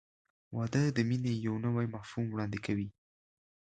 • واده د مینې یو نوی مفهوم وړاندې کوي.